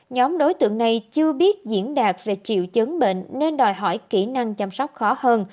nhóm đối tượng này chưa biết diễn đạt về triệu chứng bệnh nên đòi hỏi kỹ năng chăm sóc khó hơn